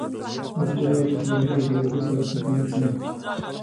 وسله باید د ښوونځي له دروازې پښه پورته نه کړي